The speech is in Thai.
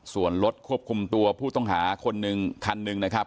ส่วนรถควบคุมตัวผู้ต้องหาคนหนึ่งคันหนึ่งนะครับ